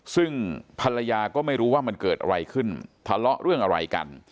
ซึ่งภรรยาก็ไม่รู้ว่ามันเกิดอะไรขึ้นทะเลาะเรื่องอะไรกัน